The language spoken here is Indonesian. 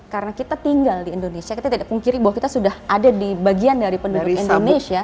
karena kita tinggal di indonesia kita tidak pungkiri bahwa kita sudah ada di bagian dari penduduk indonesia